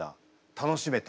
楽しめた。